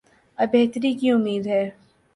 اب بہتری کی امید ہے۔